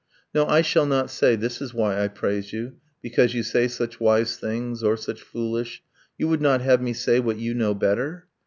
No, I shall not say 'this is why I praise you Because you say such wise things, or such foolish. ..' You would not have me say what you know better?